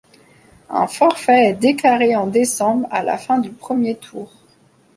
Un forfait est déclaré en décembre à la fin du premier tour.